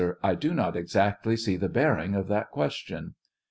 I do not exactly see the bearing of that question.